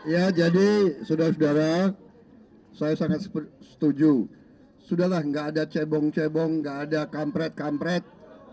ya jadi saudara saudara saya sangat setuju sudahlah nggak ada cebong cebong nggak ada kampret kampret